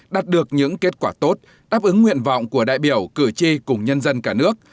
đạt được những kết quả tốt đáp ứng nguyện vọng của đại biểu cử tri cùng nhân dân cả nước